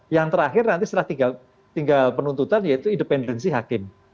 yang terakhir nanti setelah tinggal penuntutan yaitu independensi hakim